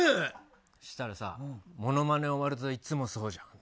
そうしたらさモノマネ終わるといつもそうじゃんって。